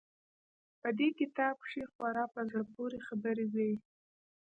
په دې کتاب کښې خورا په زړه پورې خبرې وې.